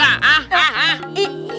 hah hah hah